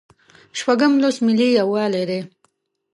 شپږم لوست ملي یووالی دی.